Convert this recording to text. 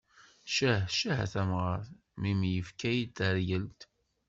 Ccah ccah a tamɣart, mmi-m yefka-yi taryalt.